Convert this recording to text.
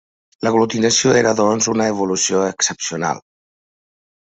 L'aglutinació era, doncs, una evolució excepcional.